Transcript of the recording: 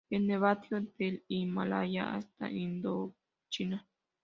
Es nativo del Himalaya hasta Indochina.